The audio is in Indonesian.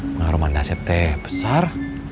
pengaruh mandah sepp teh besar